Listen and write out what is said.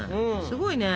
すごいね。